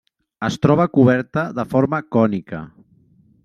Es troba coberta de forma cònica.